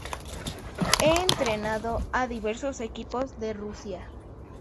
Ha entrenado a diversos equipos de Rusia.